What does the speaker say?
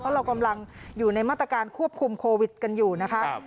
เพราะเรากำลังอยู่ในมาตรการควบคุมโควิดกันอยู่นะคะ